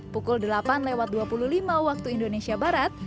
pukul delapan lewat dua puluh lima waktu indonesia barat